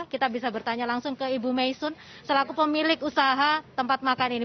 kita bisa bertanya langsung ke ibu maisun selaku pemilik usaha tempat makan ini